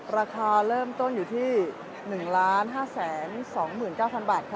ราคาเริ่มต้นอยู่ที่หนึ่งล้านห้าแสนสองหมื่นเก้าพันบาทค่ะ